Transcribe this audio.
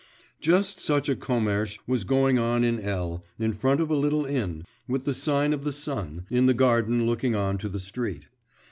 Just such a commersh was going on in L., in front of a little inn, with the sign of the Sun, in the garden looking on to the street.